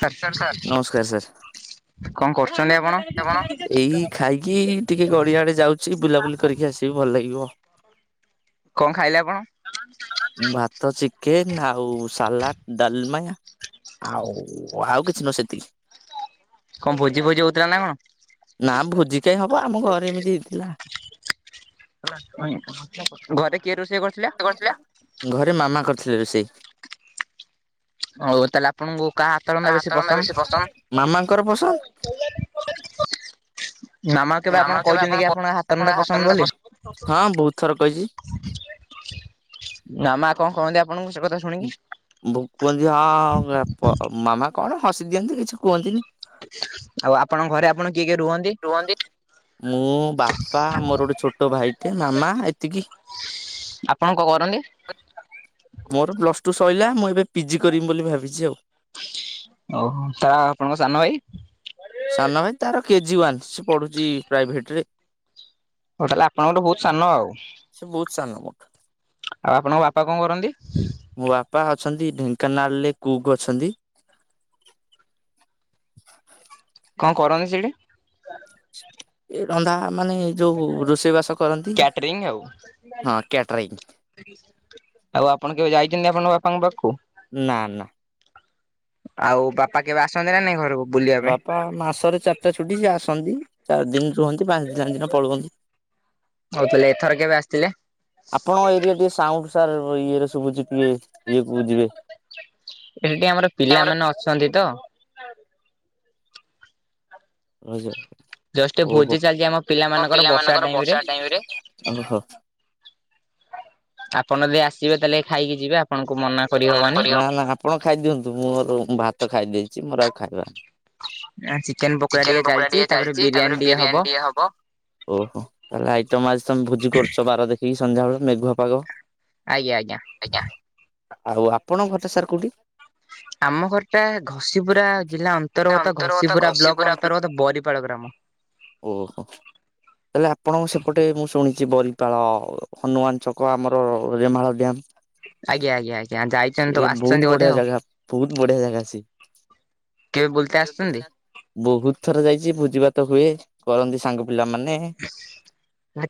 Sir ନମସ୍କାର sir, ନମସ୍କାର sir. କଣ କରୁଚନ୍ତି ଆପଣ? ଏଇ ଖାଇକି ଟିକେ ଗଡିଆ ଆଡେ ଯାଉଛି ବୁଲାବୁଲି କରିକି ଆସିବି ଭଲ ଲାଗିବ। କଣ ଖାଇଲେ ଆପଣ? ଭାତ, ଚିକେନ ଆଉ ସାଲାଡ, ଡାଲମା ଆଉ ଆଉ କିଛି ନୁହଁ ସେତିକି। କଣ ଭୋଜି ଫୋଜି ହଉଥିଲା ନା କଣ? ନା ଭୋଜି କାଇଁ ହବ ଆମ ଘରେ ଏମିତି ହେଇଥିଲା। ଘରେ କିଏ ରୋଷେଇ କରୁଥିଲା? କରିଥିଲା ଘରେ ମାମା କରିଥିଲେ ରୋଷେଇ। ହଉ ତାହେଲେ ଆପଣଙ୍କୁ କାହା ହାତରନ୍ଧା ବେଶୀ ପସନ୍ଦ? ମାମାଙ୍କର ପସନ୍ଦ ମାମା କେବେ ଆପଣ କହିଛନ୍ତି କି ଆପଣ ହାତ ରନ୍ଧା ପସନ୍ଦ ବୋଲି। ହଁ ବହୁତ ଥର କହିଛି। ନା ମା କଣ କହନ୍ତି ଆପଣଙ୍କୁ ସେ କଥା ଶୁଣିକି? ଭ କୁହନ୍ତି ହଁ ମାମା କଣ ହସି ଦିଅନ୍ତି କିଛି କୁହନ୍ତିନି। ଆଉ ଆପଣଙ୍କ ଘରେ ଆପଣ କିଏ କିଏ ରୁହନ୍ତି? ରୁହନ୍ତି ମୁଁ ବାପା ମୋର ଗୋଟେ ଛୋଟ ଭାଇଟେ ମାମା ଏତିକି। ଆପଣ କଣ କରନ୍ତି? ମୋର ପ୍ଲସ ଟୁ ସଇଲା ମୁଁ ଏବେ ପିଜି କରିମି ବୋଲି ଭାବିଛି ଆଉ। ଓହୋ ତା ଆପଣଙ୍କ ସାନ ଭାଇ? ସାନ ଭାଇ ତାର କେଜି ୱାାନ ସିଏ ପଢୁଛି ପ୍ରାଇଭେଟ ରେ। ହୋଟ ତାହେଲେ ଆପଣଙ୍କଠୁ ବହୁତ ସାନ ଆଉ। ସେ ବହୁତ ସାନ ମୋଠୁ। ଆଉ ଆପଣଙ୍କ ବାପା କଣ କରନ୍ତି? ମୋ ବାପା ଅଛନ୍ତି ଢେଙ୍କାନାଲରେ କୁକ୍ ଅଛନ୍ତି। କଣ କରନ୍ତି ସେଇଠି? ରନ୍ଧା ମାନେ ଯୋଉ ରୋଷେଇ ବାସ କରନ୍ତି କ୍ୟାଟରିଂ ଆଉ। ହଁ କ୍ୟାଟରିଙ୍ଗ। ଆଉ ଆପଣ କେବେ ଯାଇଛନ୍ତି ଆପଣଙ୍କ ବାପାଙ୍କ ପାଖକୁ? ନା ନା। ଆଉ ବାପା କେବେ ଆସନ୍ତି ନା ନାଇଁ ଘରକୁ? ବୁଲିବା ପାଇଁ? ବାପା ମାସରେ ଚାରିଟା ଛୁଟି ସେ ଆସନ୍ତି ଚାରି ଦିନ ରୁହନ୍ତି ପାଞ୍ଚ ଦିନ ପାଞ୍ଚ ଦିନ ପଳୁଅନ୍ତି। ହଉ ତାହେଲେ ଏଥର କେବେ ଆସିଥିଲେ? ଆପଣଙ୍କ ଏରିଆ ଟିକେ ସାଉଣ୍ଡ ସାର୍ ଇଏରେ ଶୁଭୁଛି କିଏ ଇଏ କୁ ଯିବେ। ଏଇଠି ଆମର ଓହୋ। ପିଲାମାନୋନେ ଅଛନ୍ତି ତ। ଜଷ୍ଟ ଓହୋ ଭୋଜି ଚାଲିଛି ଆମ ପିଲାମାନଙ୍କର ଟାଇମ ରେ ବର୍ଷା ଟାଇମରେ ଓହୋ। ଆପଣ ଯଦି ଆସିବେ ତାହେଲେ ଖାଇକି ଯିବେ ଆପଣଙ୍କୁ ମନା କରିହବନି ନା ନା ଆପଣ ଖାଇଦିଅନ୍ତୁ ମୁଁ ମୋର ଭାତ ଖାଇ ଦେଇେଇଛି ମୋର ଆଉ ଖାଇବା ଚିକେନ ପକୋଡା ଟିକେ ଚାଲିଛି ତାପରେ ବିରିୟାନୀ ଟିକେ ହବ। ଓହୋ ତାହେଲେ ଆଇଟମ ଆଜି ତମେ ଭୋଜି କରୁଛ ବାର ଦେଖିକି ସନ୍ଧ୍ୟା ବେଳେ ମେଘୁଆ ପାଗ। ଆଜ୍ଞା ଆଜ୍ଞା। ଆଜ୍ଞା। ଆଉ ଆପଣଙ୍କ ଘରଟା ସାର୍ କୋଉଠି? ଆମ ଘର ଟା ଘସିିପୁରା ଜିଲ୍ଲା ତା ଅନ୍ତର୍ଗତ ଘସିି ପୁରା ବ୍ଲକ ଘଷିପୁରା ବ୍ଲ ଅନ୍ତର୍ଗତ ବରିପାଳ ଗ୍ରାମରେ। ଓହୋ। ତାହେଲେ ଆପଣଙ୍କ ସେପଟେ ମୁଁ ଶୁଣିଛି ବରିପାଳ ହନୁମାନ ଛକ ଆମର ରେମାଳ ଡ୍ୟାମ୍। ଆଜ୍ଞା ଆଜ୍ଞା ଆଜ୍ଞା ଯାଇଛନ୍ତି ତ ବହୁତ ଆସିଛନ୍ତି ବଢିଆ ବୋଧେ ଆଉ। ଜାଗା ବହୁତ ବଢିଆ ଜାଗା ସେ। କେବେ ବୁଲତେ ଆସିଛନ୍ତି ବହୁତ ଥର ଯାଇଛି ଭୋଜି ଭାତ ହୁଏ କରନ୍ତି ସାଙ୍ଗ ପିଲାମାନେ।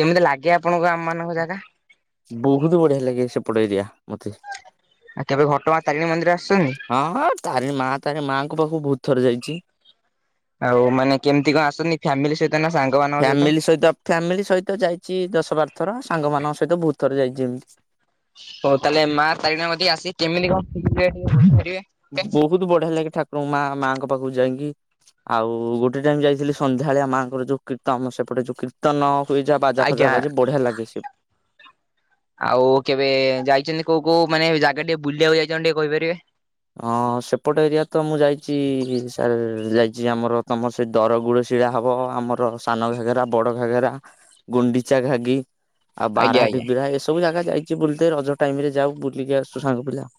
କେମିତି ଲାଗେ ଆପଣଙ୍କୁ ଆମ ମାନଙ୍କ ଜାଗା? ବହୁତ ବଢିଆ ଲାଗେ ସେପଟ ଏରିଆ ମତେ। ଆଉ କେବେ ଘଟଗାଁ ତାରିଣୀ ମନ୍ଦିର ଆସିଛନ୍ତି? ହଁ ତାରିଣୀ ମା ତାରି ମାଆଙ୍କ ପାଖକୁ ବହୁତ ଥର ଯାଇଛି। ଆଉ ମାନେ କେମିତି କଣ ଆସନ୍ତି ଫ୍ୟାମିଲି ସହିତ ନା ସାଙ୍ଗ ଫ୍ୟାମିଲି ସହିତ ଫ୍ୟାମିଲି ସହିତ ଯାଇଛି ଦଶ ବାର ଥର ସାଙ୍ଗମାନଙ୍କ ସହିତ ବହୁତ ଥର ଯାଇଛି ଏମିତି। ହଉ ତାହେଲେ ମା ଚାରିଟା ମ ମଧ୍ୟିକ ଆସିିକ କେମିତି କଣେିକାରିବେ? ବହୁତ ବଢିଆ ଲାଗେ ଠାକୁରଙ୍କ ମା ମାଆଙ୍କ ପାଖକୁ ଯାଇକି। ଆଉ ଗୋଟେ ଟାଇମ ଯାଇଥିଲି ସନ୍ଧ୍ୟାଳେଆ ମାଆଙ୍କ ଯୋଉ କୀର୍ତ୍ତ ଆମ ସେପଟ ଯଉ କୀର୍ତ୍ କୀତନ ହୁଏ ଯା ବାଜା ଆଜ୍ଞା। ଫାଜା ବାଜି ବଢିଆ ଲାଗେ ସ ଆଉ କେବେ ଯାଇଛନ୍ତି କୋଉ କୋଉ ମାନେ ଜାଗା ଟିକେ ବୁଲିବାକୁ ଯାଇଛନ୍ତି ଟିକେ କହିପାରିବେ? ହଁ ସେପଟ ଏରିଆ ତ ମୁଁ ଯାଇଛି ସାର୍ ଯାଇଛି ଆମର ତମ ସେ ଦରଗୁଳ ଶିଳା ହବ ଆମର ସାନ ଘାଗେରା ବଡ ଘଘେରା ଗୁଣ୍ଡିଚା ଘାଗି। ଆଉ ଆଜ୍ଞା ବାରା ଆଜ୍ଞା। ଡିବିରା ଏସବୁ ଜାଗା ଯାଇଛି ବୁଲେ ରଜ ଟାଇମ ରେ ଯାଉ ବୁଲିକି ଆସୁ ସାଙ୍ଗ ପିଲା।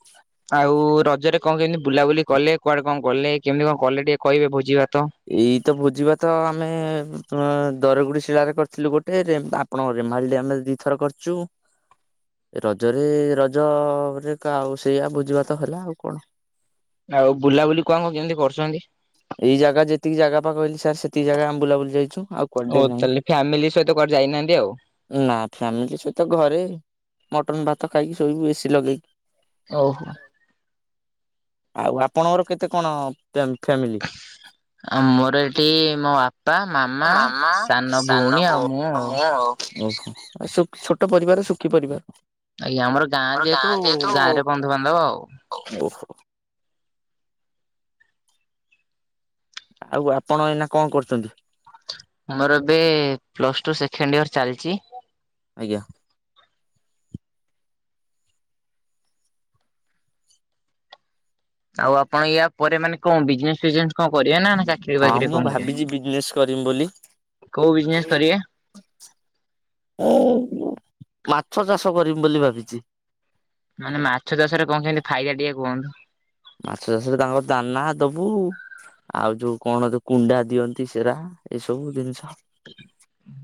ଆଉ ରଜରେ କଣ କେମିତି ବୁଲାବୁଲି କଲେ କୁଆଡେ କଣ କଲେ କେମିତି କଣ କଲେ ଟିକେ କହିବେ ଭୋଜି ଭାତ ଏଇ ତ ଭୋଜି ଭାତ ଆମେ ଦରଗୁଡି ଶିଳାରେ କରିଥିଲୁ ଗୋଟେ ଆପଣଙ୍କ ରେମାଳିରେ ଆମେ ଦିଥର କରିଛୁ ରଜରେ ରଜ ଆଉ ସେଇଆ ଭୋଜି ଭାତ ତ ହେଲା ଆଉ କଣ? ଆଉ ବୁଲାବୁଲି କଣ କ କେମିତି କରୁଛନ୍ତି? ଏଇ ଜାଗା ଯେତିକି ଜାଗା ପା କହିଲି ସାର୍ ସେତିକ ଜାଗା ଆମବୁଲାବୁଲିାଇଛୁ। ହଉ ତାହେଲେ ଫ୍ୟାମିଲି ସହିତ କୁଆଡେ ଯାଇନାହାନ୍ତି ଆଉ। ନା ଫ୍ୟାମିଲି ସହିତ ଘରେ ମଟନ ଭାତ ଖାଇକି ଶୋଇବୁ ଏସିି ଲଗେଇକି। ହଉ। ଆଉ ଆପଣଙ୍କର କେତେ କଣ ଫ୍ୟାମିଲି? ଆମୋର ଏଠି ମୋ ବା ବାପା ମାମା ସାନ ଭଉଣୀ ଆଉ ମୁଁ ଆଉ। ଓହୋ ଛୋଟ ପରିବାର ସୁଖି ପରିବାର। ଆଜ୍ଞା ଆମର ଗାଁ ଯେହେତୁ ଗାଁ ରେ ବନ୍ଧୁବାନ୍ଧବ ଆଉ। [inaudible] ଆଉ ଆପଣ ଏଇନା କଣ କରୁଛନ୍ତି? ମୋର ଏବେ ପ୍ଲସ ଟୁ ସେକେଣ୍ଡ ଇୟର ଚାଲିଛି ଆଜ୍ଞା। ଆଉ ଆପଣ ୟା ପରେ ମାନେ କଣ ବିଜନେସ ଫିଜନେସ କଣ କରିବେ ନା ନାହିଁ? ହଁ ମୁଁ ଭାବିଛି ବିଜନେସ୍ କରିମି ବୋଲି। କୋଉ ବିଜନେସ କରିବେ? ହଁ ମାଛ ଚାଷ କରିମ ବୋଲି ଭାବିଛି। ମାନେ ମାଛ ଚାଷରେ କଣ କେମତି ଫାଇଦା ଟିକେ କୁହନ୍ତୁ। ମାଛ ଚାଷରେ ତାଙ୍କର ଦାନା ଦବୁ ଆଉ ଯୋଉ କଣ କୁଣ୍ଡା ଦିଅନ୍ତି ସେରା ଏ ସବୁ ଜିନିଷ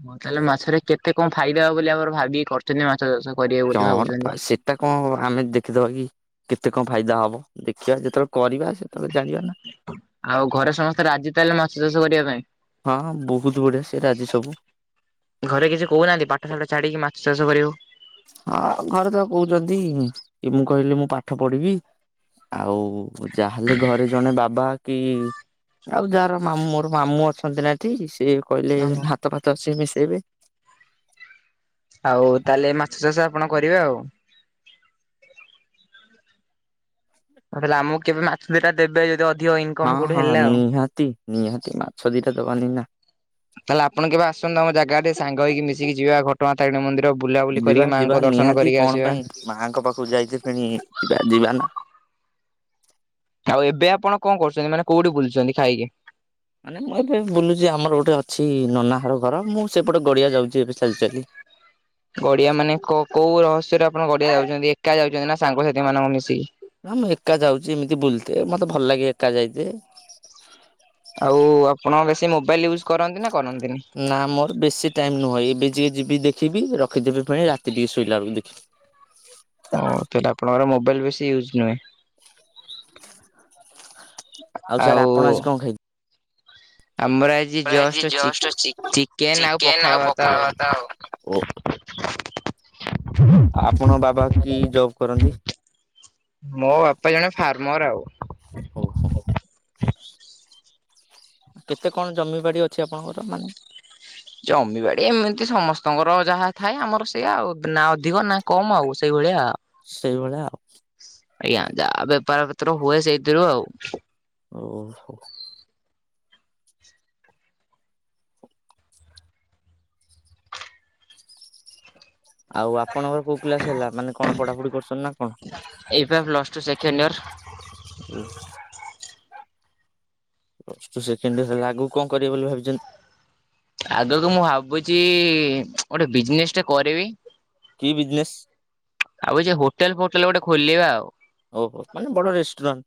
ହଁ ତାହେଲେ ମାଛରେ କେତେ କଣ ଫାଇଦା ହବ ବୋଲି ଆମର ଭାବିକି କରିଛନ୍ତି ମାଛ ସେ ଅଛନ୍ତି କରିଏ। କଣ ପା ସେଟା କଣ ଆମେ ଦେଖିଦବା କି କେତେ କଣ ଫାଇଦା ହବ ଦେଖିବା ଯେତେବେଳେ। କରିବା ସେତେବେଳେ। ଜାଣିବା ନା। ଆଉ ଘରେ ସମସ୍ତେ ରାଜି ତା ହେଲେ ମାଛ ଚାଷ କରିବା ପାଇଁ। ହଁ ହଁ ବହୁତ ବଢିଆ ସେ ରାଜି ସବୁ। ଘରେ କିଛି କହୁନାହାନ୍ତି ପାଠଶାଠ ଛାଡ଼ିକି ମାଛ ଚାଷ କରିବୁ। ହଁ ଘରେ ତ କହୁଛନ୍ତି କି ମୁଁ କହିଲି ମୁଁ ପାଠ ପଢିବି। ଆଉ ଯାହେଲେ ଘରେ ଜଣେ ବାବା କି। ଆଉ ଯାହାର ମାମୁଁ ମୋର ମାମୁଁ ଅଛନ୍ତି ନା ଏଠି ସେ କହିଲେ ଓହୋ ଭାତ ଫାତ ସିଏ ମିଶେଇବେ। ଆଉ ତାହେଲେ ମାଛ ଚାଷ ଆପଣ କରିବେ ଆଉ। ମୁଁ କଇଲି ଆମକୁ କେବେ ମାଛ ଦିଟା ଦେବେ ଯଦି ଅ ହଁ ହଁ ନିହାତି ନିହାତି ମାଛ ଦିଟା ଦବାନି ନା। ତାହେଲେ ଆପଣ କେବେ ଆସନ୍ତୁ ଆମ ଜାଗା ଆଡେ ଟିକେ ସାଙ୍ଗ ହେଇକି ମିଶିକି ଯିବା ଘ କଁ ଗାଁ ତାରିଣୀ ମନ୍ଦିର ବୁଲାବୁଲି ଯିବା କରିକି ଯିବା ମାଆଙ୍କ ଦର୍ଶନ ନିହାତି କରିକି କଣ ଆସିବା। ପାଇଁ ମାଆଙ୍କ ପାଖକୁ ଯାଇଥିଲି ପେଣି ଯିବା ଯିବା ନା। ଆଉ ଏବେ ଆପଣ କଣ କରୁଛନ୍ତି ମାନେ କୋଉଠି ବୁଲୁଛନ୍ତି ଖାଇକି। ମାନେ ମୁଁ ଏବେ ବୁଲୁଛି ଆମର ଗୋଟେ ଅଛି ନନାହାର ଘର ମୁଁ ସେପଟେ ଗଡିଆ ଯାଉଛି ଏବେ ଚାଲି ଚାଲି। ଗଡିଆ ମାନେ କୋଉ କୋଉ ରହସ୍ୟରେ ଆପଣ ଗଡିଆ ଯାଉଛନ୍ତି ଏକା ଯାଉଛନ୍ତି ନା ସାଙ୍ଗସାଥି ମାନଙ୍କ ମିଶିକି। ନା ମୁଁ ଏକା ଯାଉଛି ଏମିତି ବୁଲତେ ମତେ ଭଲ ଲାଗେ ଏକା ଯାଇତେ। ଆଉ ଆପଣ ବେଶୀ ମୋବାଇଲ ୟୁଜ କରନ୍ତି ନା କରନ୍ତିନି। ନା ମୋର ବେଶୀ ଟାଇମ୍ ନୁହଁ ଏବେ ଯିକେ ଯିବି ଦେଖିବି ରଖିଦେବି ଫେଣି ରାତି ଟିକେ ଶୋଇଲା ବେଳକୁ ଦେଖିବି। ଓ ତାହଲେ ଆପଣଙ୍କର ମୋବାଇଲ ବେଶୀ ୟୁଜ ନୁହେଁ। ଆଉ ସାର୍ ଆପଣ ଆଜି କଁ ଖାଇ ଆମ ର ଆଜି। ଆମର ଆଜି ଜଷ୍ଟ ଚି ଚିକେନ ଆଉ ପଖାଳ ଭାତ ଆଉ। ଆପଣଙ୍କ ବାବା କି ଜବ କରନ୍ତି‌। ମୋ ବାପା ଜଣେ ଫାର୍ମର ଆଉ। ହଉ ହଉ। କେତେ କଣ ଜମିିବାଡି ଅଛି ଆପଣଙ୍କର ମାନେ। ଜମିବାଡି ଏମିତି ସମସ୍ତଙ୍କର ଯାହା ଥାଏ ଆମର ସେୟା ଆଉ ନା ଅଧିକ ନା କମ ଆଉ ସେଇଭଳିଆ। ସେଇଭଳିଆ ଆଉ। ଆଜ୍ଞା ଯା ବେପାର ପତ୍ର ହୁଏ ସେଇଥିରୁ ଆଉ। ଓ ହୋ। ଆଉ ଆପଣଙ୍କର କୋଉ କ୍ଲାସ ହେଲା ମାନେ କଣ ପଢାପଢି କରୁଛନ୍ତି ନା କଣ। ଏଇ ପା ପ୍ଲସ ଟୁ ସେକେଣ୍ଡୟର। ଉଁ। ପ୍ଲସ ଟୁ ସେକେଣ୍ଡୟର ଆଗକୁ କଣ କରିବେ ବୋଲି ଭାବିଛନ୍ତି। ଆଗକୁ ମୁଁ ଭାବୁଛି ଗୋଟେ ବିଜନେସ୍ ଟେ କରିବି। କି ବିଜନେସ୍। ଭାବୁଛି ହୋଟେଲ ଫୋଟେଲ ଗୋଟେ ଖୋଲିବା ଆଉ। ଓହୋ ମାନେ ବଡ ରେଷ୍ଟୁରାଣ୍ଟ।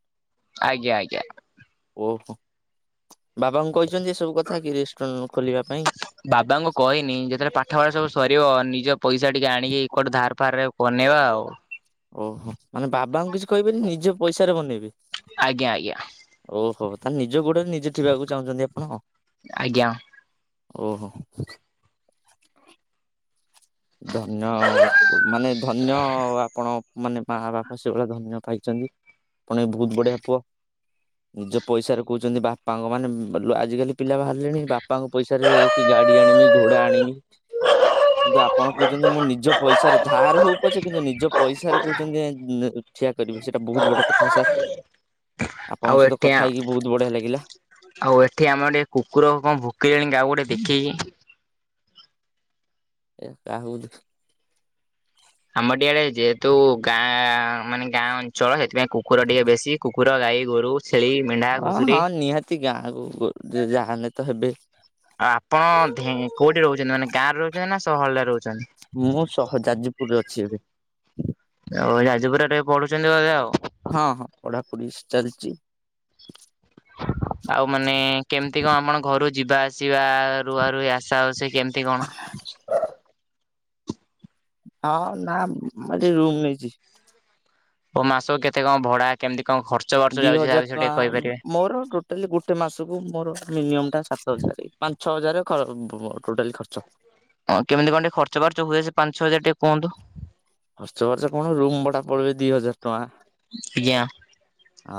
ଆଜ୍ଞା ଆଜ୍ଞା ଓହୋ ବାବାଙ୍କୁ କହିଛନ୍ତି ଏସବୁ କଥା କି ରେଷ୍ଟୁରାଣ୍ଟ ଖୋଲିବା ପାଇଁ। ବାବାଙ୍କୁ କହିନି ଯେତେବେଳେ ପାଠ ପଢା ସବୁ ସରିବ ନିଜ ପଇସା ଟିକେ ଆଣିକି କୋଉଟୁ ଧାର ଫାର ରେ ଆଉ। ବନେଇବା ଆଉ। ଓହୋ ମାନେ ବାବାଙ୍କୁ କିଛି କହିବେନି ନିଜ ପଇସାରେ ବନେଇବେ। ଆଜ୍ଞା ଆଜ୍ଞା। ଓହୋ ତାହେଲେ ନିଜ ଗୋଡେ ନିଜେ ଠିଆ ହବାକୁ ଚାହୁଁଛନ୍ତି ଆପଣ। ଆଜ୍ଞା। ଓହୋ। ଧନ୍ୟ ମାନେ ଧନ୍ୟ ଆପଣଙ୍କ ମାନେ ମା ବାପା ସେଭଳିଆ ଧନ୍ୟ ପାଇଛନ୍ତି। ଆପଣ ବି ବହୁତ ବଢିଆ ପୁଅ। ନିଜ ପଇସାରେ କହୁଛନ୍ତି ବାପାଙ୍କ, ମାନେ ଆଜିକାଲି ପିଲା ବାହାରିଲେଣି ବାପାଙ୍କ ପଇସାରେ ଗାଡି ଆଣିବି, ଘୋଡ଼ା ଆଣିବି କିନ୍ତୁ ଆ ପଣ କହୁଛନ୍ତି ମୁଁ ନିଜ ପଇସାରେ ଧାର ହଉ ପଛେ, କିନ୍ତୁ ନିଜ ପଇସାରେ କହୁଛନ୍ତି। [unintelligible] ଠିଆ କରିବି, ସେଇଟା ବହୁତ ବଡ଼ କଥା ସାର୍। ହୁଁ [unintelligible] ଆପଣଙ୍କ ସହିତ କଥା ହେଇକି ବହୁତ ବଢିଆ ଲାଗିଲା। ଆଉ ଏଠି ଆମର ଟିକେ କୁକୁର କଣ ଭୁକିଲେଣି, କାହାକୁ ଗୋଟେ ଦେଖିକି। ଏ ଯା ହଉ ଆମ ଟିକେ ଆଡେ ଯେହେତୁ ଗାଁ, ମାନେ ଗାଁ ଅଞ୍ଚଳ। ସେଥିପାଇଁ କୁକୁର ଟିକେ ବେଶୀ କୁକୁ କୁକୁର, ଗାଈ ଗୋରୁ ଛେଳି, ମେଣ୍ଢା ହଁ- ଘୁଷୁରୀ ହଁ ନିହାତି ଗାଁକୁ ଯାହେନେ ତ ହେବେ। ଆଉ ଆପଣ ଢେ କୋଉଠି ରହୁଛନ୍ତି, ମାନେ ଗାଁ ରେ ରହୁଛନ୍ତି ନା ସହରରେ ରହୁଛନ୍ତି? ମୁଁ ସହ ଯାଜପୁରରେ ଅଛି ଏବେ। ଆଉ ଯାଜପୁରରେ ଟିକେ ପଢୁଛନ୍ତି ବୋଧେ ଆଉ। ହଁ- ହଁ ପଢାପଢି ଚାଲିଛି। ଆଉ ମାନେ କେମିତି କଣ, ଆପଣ ଘରୁ ଯିବା ଆସି ଆସିବା ରୁହାରୁହି ଆସା ହଉଛି କେମିତି କଣ? ଆଁ- ନାଁ- ମୁଁ ଏଇଠି ରୁମ୍ ନେଇଛି। ଓ ମାସ କେତେ କଣ ଭଡା, କେମିତି କଣ ଖର୍ଚ ଦି ହଜାର ଟଙ୍କା, ମୋର ଗୋ ଟୋଟାଲି ଗୋଟେ ମାସକୁ ମୋର ମିନିମମ୍ ଟା, ସାତ ହଜାରେ ପାଞ୍ଚ ହଜାରେ ଖ ବ ଟୋଟାଲି ଖର୍ଚ୍ଚ। ହଁ କେମିତି କଣ ଟିକେ ଖର୍ଚ ବାର୍ଚ୍ଚ ହୁଏ, ସେ ପାଞ୍ଚଛଅ ହଜାର ଟିକେ କୁହନ୍ତୁ? ଖର୍ଚ୍ଚ ବାର୍ଚ କଣ, ରୁମ ଭଡା ପଳେଇବ ଦି ହଜାର ଟଙ୍କା। ଆଜ୍ଞା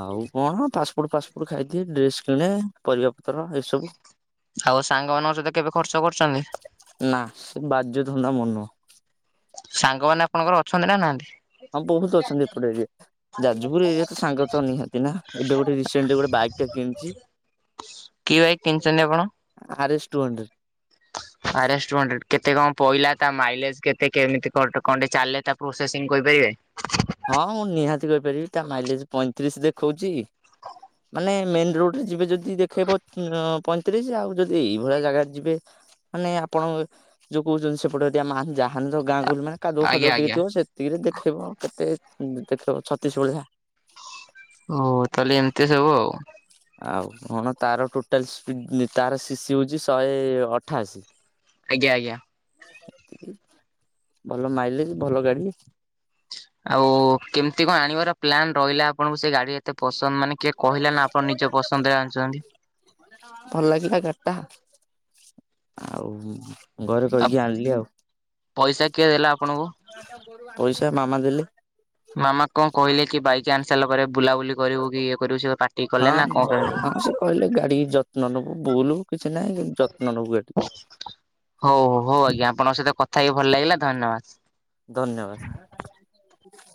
ଆଉ କଣ ଫାଷ୍ଟଫୁଡ ଫାଷ୍ଟଫୁଡ ଖାଇଦିଏ, ଡ୍ରେସ୍ କିଣେ, ପରିବା ପତ୍ର ଏସବୁ ଆଉ ସାଙ୍ଗମାନଙ୍କ ସହିତ କେବେ ଖର୍ଚ୍ଚ କରୁଛନ୍ତି? ନା ସେ ବାଜେ ଧନ୍ଦା ମୋର ନୁହଁ। ସାଙ୍ଗମାନେ ଆପଣଙ୍କର ଅଛନ୍ତି ନା ନାହାଁନ୍ତି? ହଁ ବହୁତ ଅଛନ୍ତି, ଏପଟେ ଏରିଆ ଯାଜପୁର ଏରିଆ ତ ସାଙ୍ଗ ତ ନିହାତି ନା, ଏବେ ଗୋଟେ ରିସେଣ୍ଟଲି ଗୋଟେ ବାଇକ ଟା କିଣିଛି। କି ବାଇକ୍ କିଣିଛନ୍ତି ଆପଣ? R S two hundred. ହ ଆର୍ ଏସ ଟୁ ହଣ୍ଡ୍ରେଡ। କେତେ କଣ ପଇଲା, ତା ମାଇଲେଜ କେତେ, କେମିତି କ କଣ ଚାଲେ ତା ପ୍ରୋସେସିଂ କହି ପାରିବେ? ହଁ ମୁଁ ନିହାତି କହିପାରିବି, ତା ମାଇଲେଜ ପଇଁତିରିଶ ଦେଖଉଚି। ମାନେ ମେନ ରୋଡରେ ଯିବେ ଯଦି, ଦେଖେଇବ ପଇଁତିରିଶ। ଆଉ ଯଦି ଏଇଭଳିଆ ଜାଗାରେ ଯିବେ ମାନେ ଆପଣ ଯୋଉ କହୁଛନ୍ତି ସେପଟେ ଏରିଆ [unintelligible] କାଦୁଅ ଆଜ୍ଞା ଫାଦୁଅ ଟିକେ ଆଜ୍ଞା ଥିବ ସେତିକିରେ ଦେଖେଇବ, କେତେ ଦେଖେଇବ ଛତିଶ ଭଳିଆ। ଓ ତାହେଲେ ଏମିତି ସବୁ ଆଉ। ଆଉ କଣ ତାର ଟୋଟାଲି ସ୍ପି ତାର ଶିଶି ହଉଛି ଶହେ ଅଠାଅଶୀ। ଆଜ୍ଞା ଆଜ୍ଞା। ଭଲ ମାଇଲେଜ ଭଲ ଗାଡି। ଆଉ କେମିତି କଣ, ଆଣିବାର ପ୍ଲାନ୍ ରହିଲା? ଆପଣଙ୍କୁ ସେ ଗାଡି ଏତେ ପସନ୍ଦ ମାନେ କିଏ କହିଲା ନା ଆପଣ ନିଜ ପସନ୍ଦରେ ଆଣିଛନ୍ତି? ଭଲ ଲାଗିଲା ଗାଡିଟା ଆଉ, ଘରେ ଆଉ କହିକି ଆଣିଲି ଆଉ। ପଇସା କିଏ ଦେଲା ଆପଣଙ୍କୁ? ପଇସା ମାମା ଦେଲେ। ମାମା କଣ କହିଲେ କି ବାଇକ୍ ଆଣିସାଇଲାପରେ, ବୁଲାବୁଲି କରିବୁ କି ଇଏ କରିବୁ ସିଏ କଣ ପା ପାଟି ହଁ କଲେ ନା - ହଁ- ହଁ ସେ କହିଲେ ଗାଡି ଯତ୍ନ ନବୁ, ବୁଲ କିଛି ନାହିଁ କିନ୍ତୁ ଯତ୍ନ ନବୁ ଗାଡି। ହଉ ହଉ ଆଜ୍ଞା ଆପଣଙ୍କ ସହିତ କଥା ହେଇକି ଭଲ ଲାଗିଲା ଧନ୍ୟବାଦ। ଧନ୍ୟବାଦ।